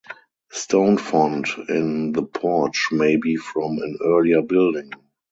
The stone font in the porch may be from an earlier building.